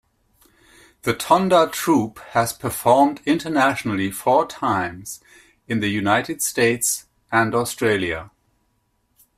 The Tonda Troupe has performed internationally four times in the United States and Australia.